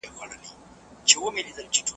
سياستپوهنه د قدرت په مانا سره هم پېژندل کېږي.